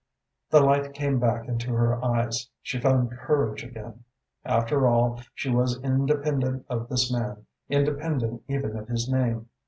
The light came back to her eyes, she found courage again. After all, she was independent of this man, independent even of his name.